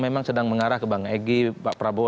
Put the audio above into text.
memang sedang mengarah ke bang egy pak prabowo